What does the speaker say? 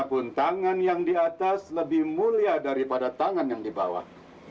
walaupun tangan yang di atas lebih mulia daripada tangan yang di bawah